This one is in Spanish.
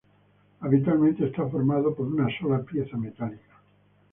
Habitualmente está formado por una sola pieza metálica.